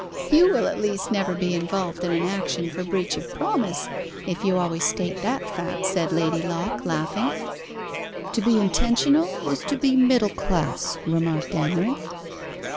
"You will at least never be involved in an action for breach of promise if you always state that fact," said Lady Locke, laughing. "To be intentional is to be middle class," remarked Amarinth.